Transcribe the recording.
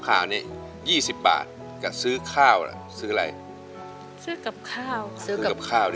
คราวนี้ยี่สิบบาทกับซื้อข้าวล่ะซื้ออะไรซื้อกับข้าวซื้อกับข้าว